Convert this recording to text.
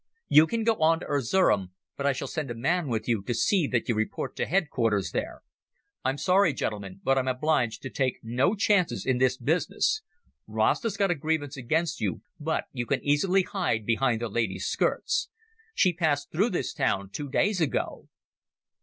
You can go on to Erzerum, but I shall send a man with you to see that you report to headquarters there. I'm sorry, gentlemen, but I'm obliged to take no chances in this business. Rasta's got a grievance against you, but you can easily hide behind the lady's skirts. She passed through this town two days ago."